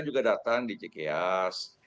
juga datang di cikias